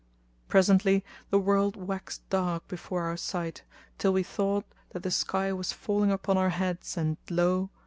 Presently the world waxed dark before our sight till we thought that the sky was falling upon our heads, and lo!